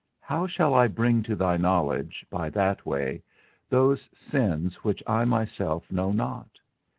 How shall I bring to thy knowledge, by that way, those sins which I myself know not?